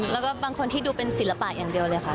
แล้วก็บางคนที่ดูเป็นศิลปะอย่างเดียวเลยค่ะ